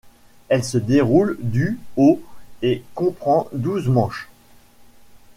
Elle se déroule du au et comprend douze manches.